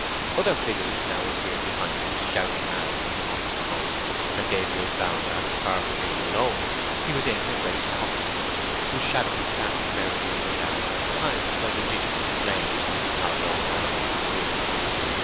Other figures now appeared behind this shouting man and among the smoke, and Gabriel found that, far from being alone he was in a great company—whose shadows danced merrily up and down, timed by the jigging of the flames, and not at all by their owners' movements.